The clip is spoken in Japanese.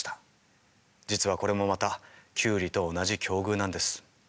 実はこれもまたキュウリと同じ境遇なんです。